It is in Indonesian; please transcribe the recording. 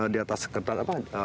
di atas ketat